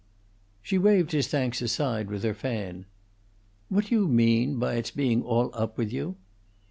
She waved his thanks aside with her fan. "What do you mean by its being all up with you?"